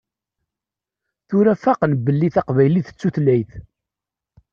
Tura faqen belli taqbaylit d tutlayt.